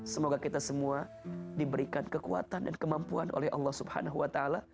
semoga kita semua diberikan kekuatan dan kemampuan oleh allah swt